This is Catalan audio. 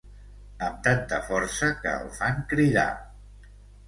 Amb tanta força que el fan cridar.